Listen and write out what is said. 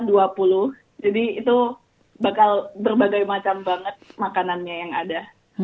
jadi itu bakal berbagai macam banget makanannya yang ada